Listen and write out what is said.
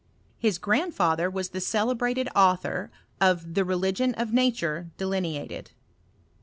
His grandfather was the celebrated author of the Religion of Nature delineated.